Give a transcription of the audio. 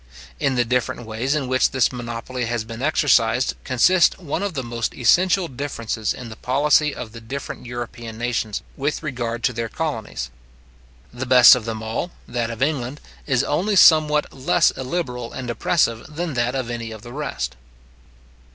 In the different ways in which this monopoly has been exercised, consists one of the most essential differences in the policy of the different European nations with regard to their colonies. The best of them all, that of England, is only somewhat less illiberal and oppressive than that of any of the rest.